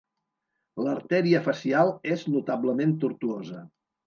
L'artèria facial és notablement tortuosa.